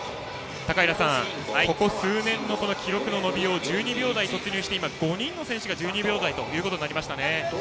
高平さん、ここ数年の記録の伸びよう１２秒台に突入して今、５人の選手が１２秒台となりましたね。